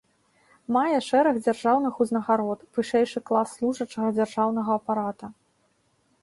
Мае шэраг дзяржаўных узнагарод, вышэйшы клас служачага дзяржаўнага апарата.